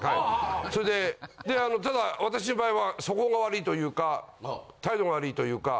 それでただ私の場合は素行が悪いというか態度が悪いというか。